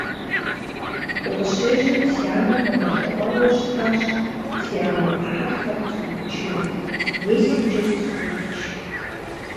Дыкъыщежьэм си анэр къывэлъэӀуауэ щытащ си аму Ӏыхьэр фэ къысхуифчыну. Мис иджы къысхуифч.